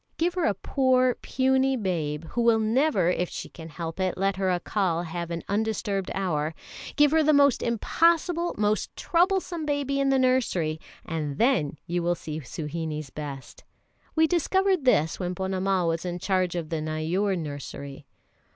Give her a poor, puny babe, who will never, if she can help it, let her Accal have an undisturbed hour; give her the most impossible, most troublesome baby in the nursery, and then you will see Suhinie's best. We discovered this when Ponnamal was in charge of the Neyoor nursery.